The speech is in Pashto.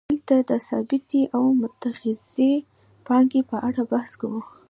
دلته د ثابتې او متغیرې پانګې په اړه بحث کوو